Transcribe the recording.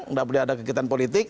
nggak boleh ada kegiatan politik